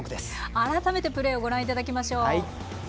改めてプレーをご覧いただきましょう。